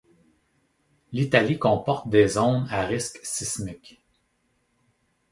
L'Italie comporte des zones à risques sismiques.